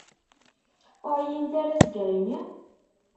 Ur εyint ara seg yiɣimi?